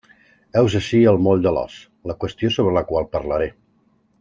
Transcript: Heus ací el moll de l'os, la qüestió sobre la qual parlaré.